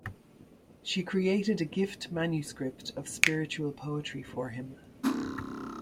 She created a gift manuscript of spiritual poetry for him.